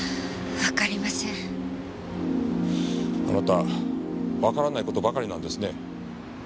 あなたわからない事ばかりなんですね。